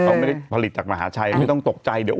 ต้องไปประชุมเรื่องสายาดารา